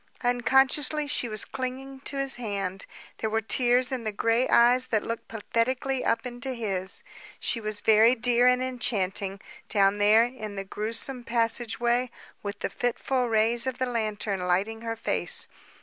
Unconsciously she was clinging to his hand. There were tears in the gray eyes that looked pathetically up into his. She was very dear and enchanting, down there in the grewsome passageway with the fitful rays of the lantern lighting her face.